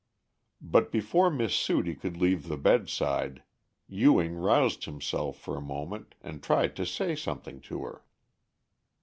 But before Miss Sudie could leave the bedside, Ewing roused himself for a moment, and tried to say something to her.